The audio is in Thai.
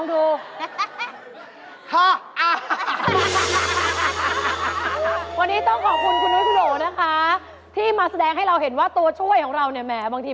เราอยากให้คุณกลับไปแล้วมองแม่ปะนอม